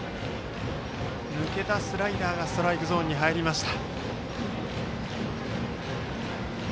抜けたスライダーがストライクゾーンに入りました。